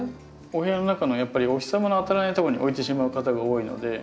お部屋の中のやっぱりお日様の当たらないとこに置いてしまう方が多いので。